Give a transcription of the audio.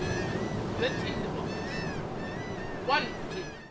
160 THE TINDER BOX. One, two